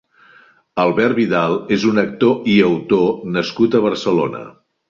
Albert Vidal és un actor i autor nascut a Barcelona.